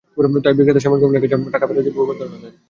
তাই বিক্রেতা শ্যামল কুমারের কাছে টাকা ফেরত চেয়ে বহুবার ধরনা দেন।